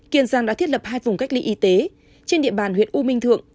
kiên giang đã thiết lập hai vùng cách ly y tế trên địa bàn huyện u minh thượng